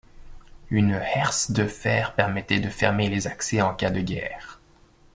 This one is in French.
Une herse de fer permettait de fermer les accès en cas de guerre.